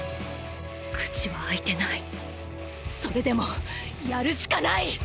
口は開いてないそれでもやるしかない！！